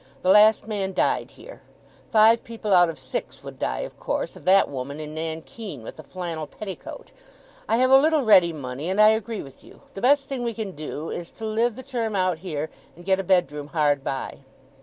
The last man died here. Five people out of six would die of course of that woman in nankeen with the flannel petticoat. I have a little ready money; and I agree with you, the best thing we can do, is, to live the term out here, and get a bedroom hard by.